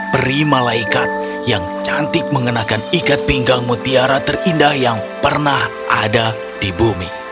peri malaikat yang cantik mengenakan ikat pinggang mutiara terindah yang pernah ada di bumi